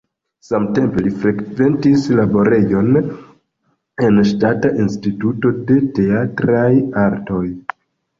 Samtempe li frekventis laborejon en Ŝtata Instituto de Teatraj Artoj.